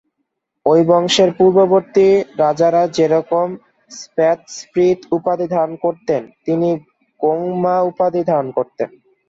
ঐ বংশের পূর্ববর্তী রাজারা যেরকম স্দে-স্রিদ উপাধি ধারণ করতেন, তিনি গোং-মা উপাধি ধারণ করেন।